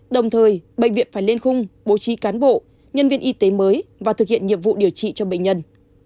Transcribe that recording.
đồng thời bệnh viện phải lên khung bố trí cán bộ nhân viên y tế mới và thực hiện nhiệm vụ điều trị cho bệnh nhân